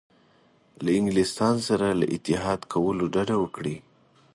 له انګلستان سره له اتحاد کولو ډډه وکړي.